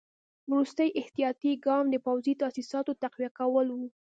وروستی احتیاطي ګام د پوځي تاسیساتو تقویه کول وو.